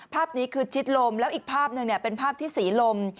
ภาพนี้คือชิดลมแล้วอีกภาพหนึ่งเป็นภาพที่สีลม